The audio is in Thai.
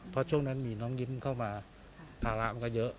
เพราะช่วงนั้นมีน้องยิ้มเข้ามาภาระมันก็เยอะ